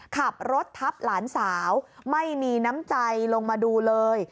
ขับรถทับหลานสาวไม่มีน้ำใจลงมาดูเลย